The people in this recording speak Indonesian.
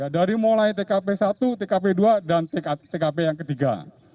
dari mulai tkp satu tkp dua dan tkp yang ketiga